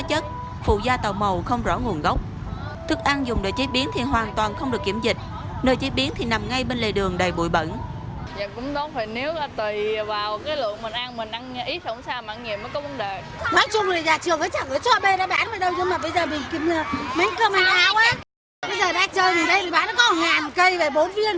bây giờ đang chơi mình đây thì bán nó có hàng cây và bốn viên vậy thôi đó mỗi khi trả giá kiếm là một mươi ngàn để nuôi sống hoàn toàn vậy